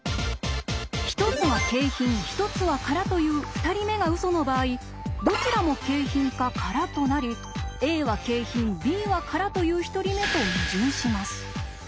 １つは景品１つは空という２人目がウソの場合「どちらも景品」か「空」となり「Ａは景品Ｂは空」という１人目と矛盾します。